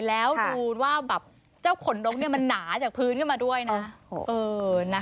แล้วดูว่าแบบเจ้าขนนกมันหนาจากพื้นขึ้นมาด้วยนะ